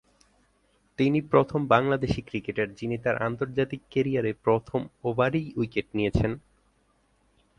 তিনি প্রথম বাংলাদেশী ক্রিকেটার যিনি তার আন্তর্জাতিক ক্যারিয়ারে প্রথম ওভারেই উইকেট নিয়েছেন।